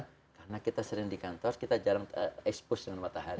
karena kita sering di kantor kita jarang terlepas dengan matahari